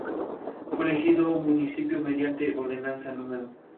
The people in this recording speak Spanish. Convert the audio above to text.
Ferrari tomó el relevo de Lancia, contratando a Jano aquel mismo año.